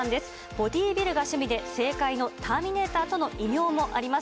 ボディービルが趣味で、政界のターミネーターとの異名もあります。